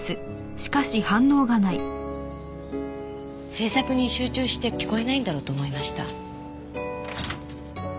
制作に集中して聞こえないんだろうと思いました。